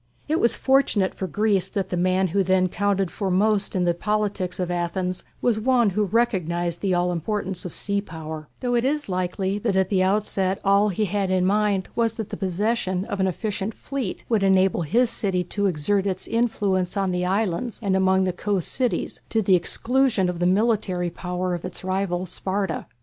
It was fortunate for Greece that the man who then counted for most in the politics of Athens was one who recognized the all importance of sea power, though it is likely that at the outset all he had in mind was that the possession of an efficient fleet would enable his city to exert its influence on the islands and among the coast cities to the exclusion of the military power of its rival Sparta.